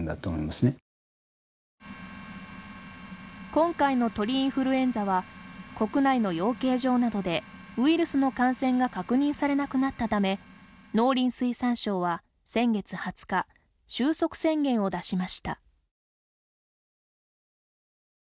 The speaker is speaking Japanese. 今回の鳥インフルエンザは国内の養鶏場などでウイルスの感染が確認されなくなったため農林水産省は、先月２０日終息宣言を出しました。